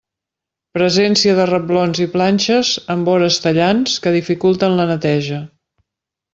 Presència de reblons i planxes amb vores tallants que dificulten la neteja.